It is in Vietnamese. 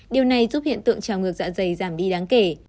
điều này giúp hiện tượng trào ngược dạ dày giảm đi đáng kể